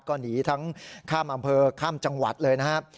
ก็หนีทั้งข้ามอำเภอข้ามจังหวัดเลยนะครับ